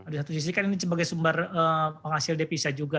di satu sisi kan ini sebagai sumber penghasil depisa juga